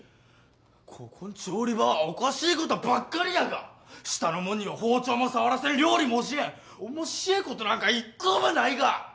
ここん調理場はおかしいことばっかりやが下のもんには包丁も触らせん料理も教えんおもっしぇえことなんか一個もないが！